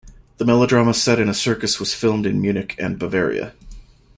The melodrama set in a circus was filmed in Munich and Bavaria.